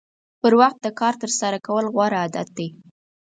پر وخت د کار ترسره کول غوره عادت دی.